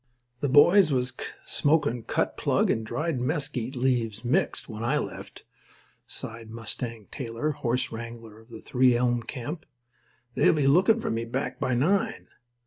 "The boys was smokin' cut plug and dried mesquite leaves mixed when I left," sighed Mustang Taylor, horse wrangler of the Three Elm camp. "They'll be lookin' for me back by nine.